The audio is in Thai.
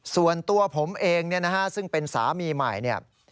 ส่วนตัวผมเองซึ่งเป็นสามีใหม่